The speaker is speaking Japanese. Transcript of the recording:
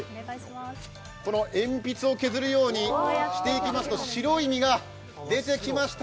鉛筆を削るようにしていきますと白い実が出てきました。